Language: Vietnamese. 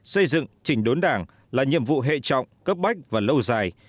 xây dựng chỉnh đốn đảng là nhiệm vụ hệ trọng cấp bách và lâu dài